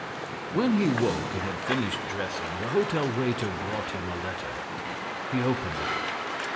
When he woke and had finished dressing, the hotel waiter brought him a letter. He opened it.